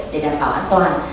để đảm bảo an toàn